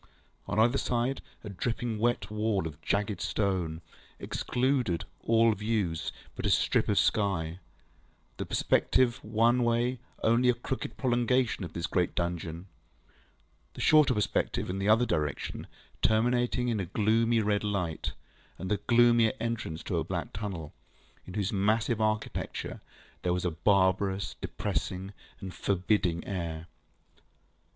On either side, a dripping wet wall of jagged stone, excluding all view but a strip of sky; the perspective one way only a crooked prolongation of this great dungeon; the shorter perspective in the other direction terminating in a gloomy red light, and the gloomier entrance to a black tunnel, in whose massive architecture there was a barbarous, depressing, and forbidding air.